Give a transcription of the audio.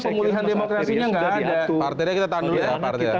pemulihan demokrasinya nggak ada